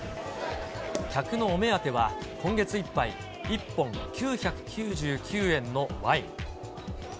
客のお目当ては、今月いっぱい、１本９９９円のワイン。